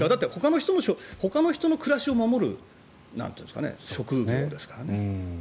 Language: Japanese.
ほかの人の暮らしを守る職業ですからね。